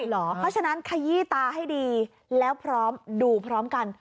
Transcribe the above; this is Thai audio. เพราะฉะนั้นขยี้ตาให้ดีแล้วพร้อมดูพร้อมกัน